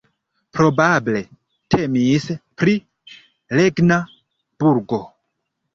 Probable temis pri regna burgo.